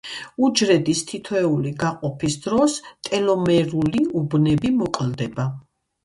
უჯრედის თითოეული გაყოფის დროს ტელომერული უბნები მოკლდება.